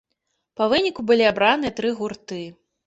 Па выніку былі абраныя тры гурты.